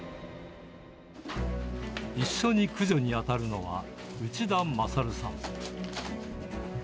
一緒に駆除に当たるのは、内田優さん。